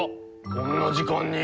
こんな時間に？